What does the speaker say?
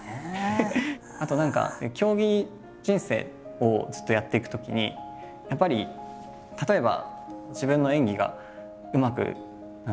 あと何か競技人生をずっとやっていくときにやっぱり例えば自分の演技がうまく何だろう